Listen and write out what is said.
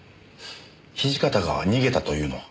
土方が逃げたというのは？